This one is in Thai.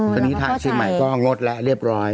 ตอนนี้ทางเชียงใหม่ก็งดแล้วเรียบร้อย